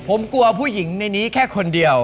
ผมกลัวผู้หญิงในนี้แค่คนเดียว